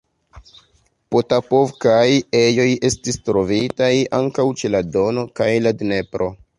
Potapovkaj ejoj estis poste trovitaj ankaŭ ĉe la Dono kaj la Dnepro.